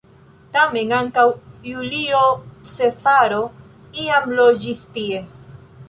Tamen ankaŭ Julio Cezaro iam loĝis tie.